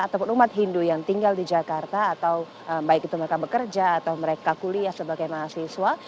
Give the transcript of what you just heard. ataupun umat hindu yang tinggal di jakarta atau baik itu mereka bekerja atau mereka kuliah sebagai mahasiswa